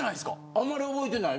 あんまり覚えてない。